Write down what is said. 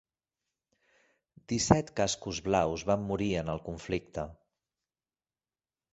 Disset Cascos Blaus van morir en el conflicte.